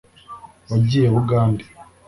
Wagiye Bugande